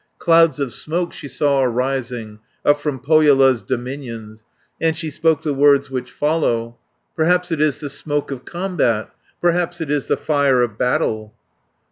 Clouds of smoke she saw arising, Up from Pohjola's dominions, And she spoke the words which follow: "Perhaps it is the smoke of combat, Perhaps it is the fire of battle."